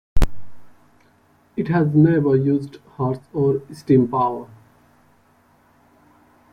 It has never used horse or steam power.